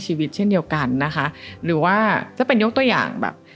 ในชีวิตแส่เดียวกันนะคะหรือว่าจะเป็นโดยอย่างแบบ